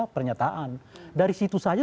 pernyataan dari situ saja